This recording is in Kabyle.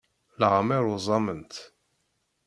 Leɛmer uẓament.